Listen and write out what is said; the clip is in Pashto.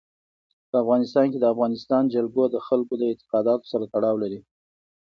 په افغانستان کې د افغانستان جلکو د خلکو د اعتقاداتو سره تړاو لري.